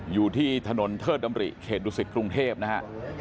อยู่ที่ถนนเทศดำริเคตุอุศิษฐ์กรุงเทพนะฮะ